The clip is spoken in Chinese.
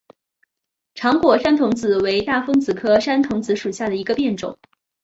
长果山桐子为大风子科山桐子属下的一个变种。